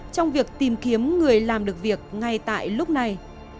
trong việc tìm kiếm người làm được việc ngay tại lúc này